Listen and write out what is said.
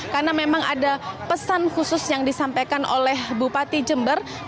karena memang ada pesan khusus yang disampaikan oleh bupati jember